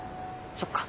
そっか。